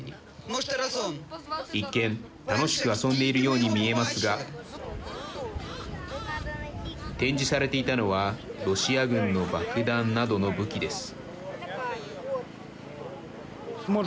一見、楽しく遊んでいるように見えますが展示されていたのはロシア軍の爆弾などの武器です。